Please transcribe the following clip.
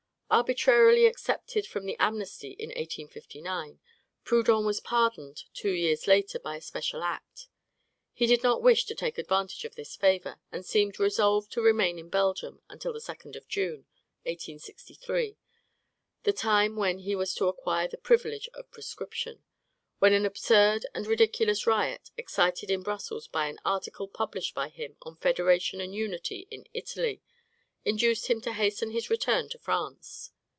Arbitrarily excepted from the amnesty in 1859, Proudhon was pardoned two years later by a special act. He did not wish to take advantage of this favor, and seemed resolved to remain in Belgium until the 2d of June, 1863, the time when he was to acquire the privilege of prescription, when an absurd and ridiculous riot, excited in Brussels by an article published by him on federation and unity in Italy, induced him to hasten his return to France.